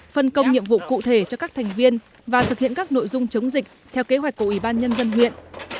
phân công nhiệm vụ cụ thể cho các thành viên và thực hiện các nội dung chống dịch theo kế hoạch của ủy ban nhân dân huyện